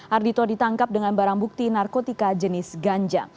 ardhito ditangkap dengan barang bukti narkotika jenis ganja